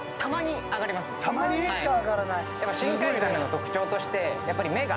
深海ザメの特徴としてやっぱり目が。